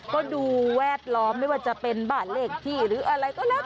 ก็ดูแวดล้อมไม่ว่าจะเป็นบ้านเลขที่หรืออะไรก็แล้ว